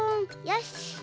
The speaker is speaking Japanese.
よし。